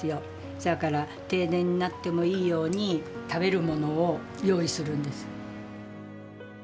そやから停電になってもいいように食べるものを用意するんです。